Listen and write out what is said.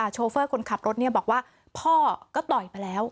โชเฟอร์คนขับรถบอกว่าพ่อก็ต่อยมาแล้ว